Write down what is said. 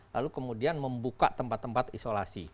lalu kemudian membuka tempat tempat isolasi